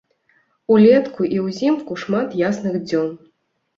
Улетку і ўзімку шмат ясных дзён.